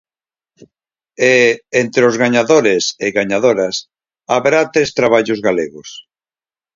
E entre os gañadores e gañadoras haberá tres traballos galegos.